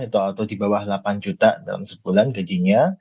atau di bawah delapan juta dalam sebulan gajinya